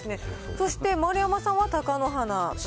そして、丸山さんは貴乃花と。